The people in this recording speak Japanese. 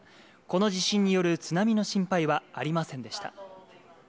この地震による津波の心配はありませんでした。